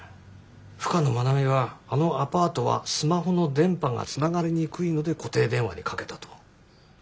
深野愛美はあのアパートはスマホの電波がつながりにくいので固定電話にかけたと。